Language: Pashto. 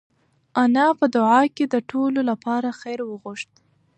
انا په دعا کې د ټولو لپاره خیر وغوښت.